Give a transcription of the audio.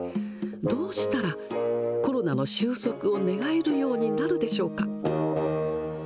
どうしたら、コロナの終息を願えるようになるでしょうか。